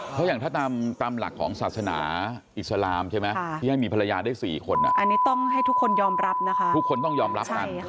เพราะอย่างถ้าตามหลักของศาสนาอิสลามใช่ไหมที่ให้มีภรรยาได้๔คนอ่ะอันนี้ต้องให้ทุกคนยอมรับนะคะ